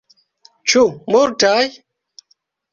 Ĉu multaj?